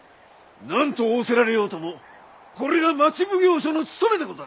何と仰せられようともこれが町奉行所の務めでござる。